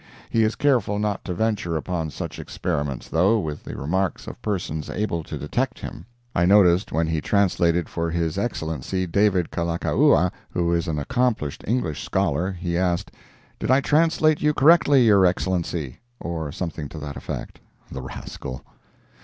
He is careful not to venture upon such experiments, though, with the remarks of persons able to detect him. I noticed when he translated for His Excellency David Kalakaua, who is an accomplished English scholar, he asked, "Did I translate you correctly, your Excellency?" or something to that effect. The rascal.